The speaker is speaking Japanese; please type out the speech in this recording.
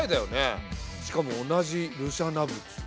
しかも同じ廬舎那仏。